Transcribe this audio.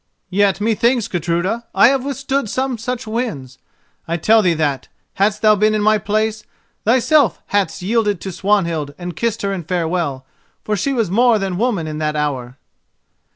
"Yet, methinks, Gudruda, I have withstood some such winds. I tell thee that, hadst thou been in my place, thyself hadst yielded to Swanhild and kissed her in farewell, for she was more than woman in that hour."